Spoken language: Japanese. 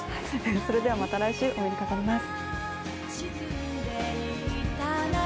それではまた来週、お目にかかります。